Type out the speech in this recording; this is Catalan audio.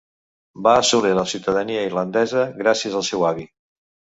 Va assolir la ciutadania irlandesa gràcies al seu avi.